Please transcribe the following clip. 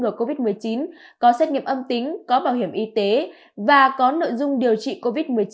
ngừa covid một mươi chín có xét nghiệm âm tính có bảo hiểm y tế và có nội dung điều trị covid một mươi chín